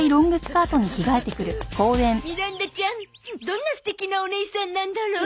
どんな素敵なおねいさんなんだろう？